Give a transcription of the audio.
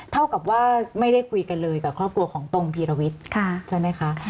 เท่ากับว่าไม่ได้คุยกันเลยกับครอบครัวของตรงพีรวิทย์ใช่ไหมคะ